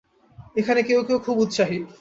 এখানে কেউ কেউ খুব উৎসাহী।